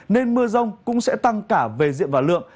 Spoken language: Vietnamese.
nên mưa rông cũng sẽ tăng cả về diện và lượng